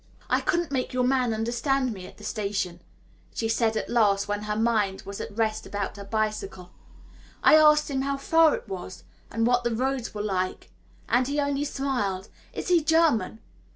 "I couldn't make your man understand me at the station," she said at last, when her mind was at rest about her bicycle; "I asked him how far it was, and what the roads were like, and he only smiled. Is he German?